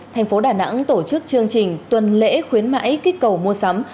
thành phố đà nẵng tổ chức chương trình tuần lễ khuyến mãi kích cầu mua sắm